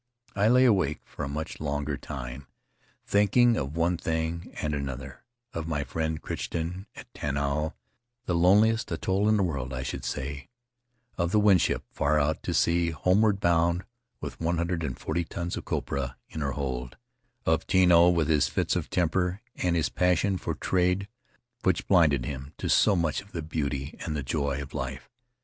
I lay awake for a much longer time, thinking of one thing and another — of my friend Crichton at Tanao, the loneliest atoll in the world I should say; of the Winship far out to sea, homeward bound with one hundred and forty tons of copra in her hold; of Tino with his fits of temper, and his passion for trade which blinded him to so much of the beauty and the joy of life.